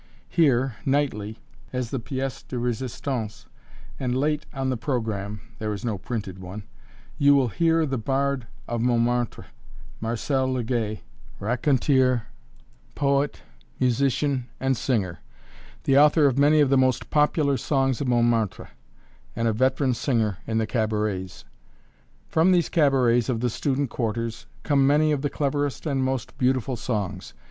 Here, nightly, as the pièce de résistance and late on the programme (there is no printed one) you will hear the Bard of Montmartre, Marcel Legay, raconteur, poet, musician, and singer; the author of many of the most popular songs of Montmartre, and a veteran singer in the cabarets. [Illustration: MARCEL LEGAY] From these cabarets of the student quarters come many of the cleverest and most beautiful songs.